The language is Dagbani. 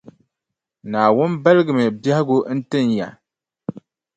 Naawuni baligimi biɛhigu n-tin ya.